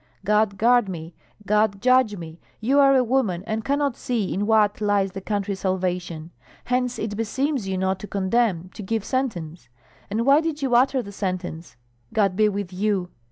God guard me, God judge me! You are a woman, and cannot see in what lies the country's salvation; hence it beseems you not to condemn, to give sentence. And why did you utter the sentence? God be with you!